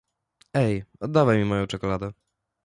Ej, oddawaj mi moją czekoladę!